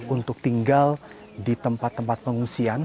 untuk tinggal di tempat tempat pengungsian